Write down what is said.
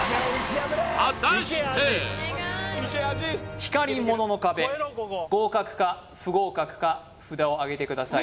光り物の壁合格か不合格か札をあげてください